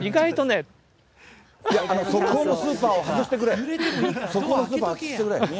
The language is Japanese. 速報のスーパー外してくれ。